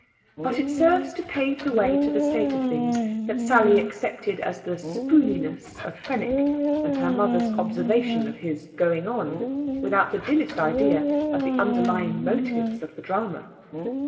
But it serves to pave the way to the state of things that Sally accepted as the "spooneyness" of Fenwick, and her mother's observation of his "going on," without the dimmest idea of the underlying motives of the drama.